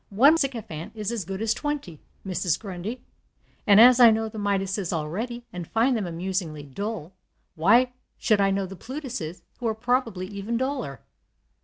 One MacSycophant is as good as twenty, Mrs. Grundy; and as I know the Midases already, and find them amusingly dull, why should I know the Plutuses, who are probably even duller?"